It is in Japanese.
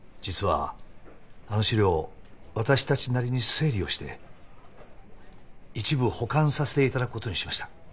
実はあの資料私たちなりに整理をして一部保管させていただくことにしました。